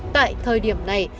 tại thời điểm này